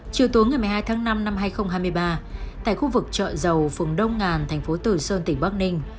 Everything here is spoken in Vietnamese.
chiều tối ngày một mươi hai tháng năm năm hai nghìn hai mươi ba tại khu vực chợ dầu phường đông ngàn thành phố tử sơn tỉnh bắc ninh